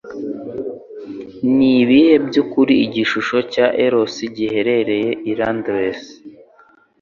Nibihe Byukuri Igishusho cya Eros giherereye i Londres?